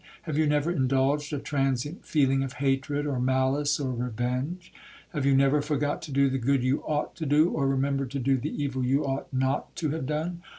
—Have you never indulged a transient feeling of hatred, or malice, or revenge?—Have you never forgot to do the good you ought to do,—or remembered to do the evil you ought not to have done?